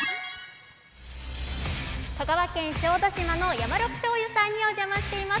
香川県小豆島のヤマロク醤油さんにお邪魔しております。